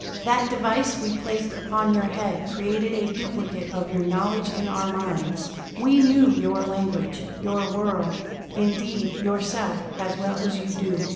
"That device we placed upon your head created a duplicate of your knowledge in our minds. We knew your language, your world, indeed, yourself, as well as you do."